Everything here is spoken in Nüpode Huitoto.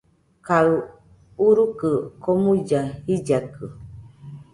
Kaɨ urukɨ komuilla jillakɨ